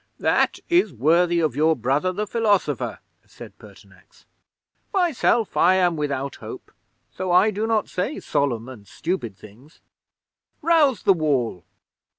'"That is worthy of your brother the philosopher," said Pertinax. "Myself I am without hope, so I do not say solemn and stupid things! Rouse the Wall!"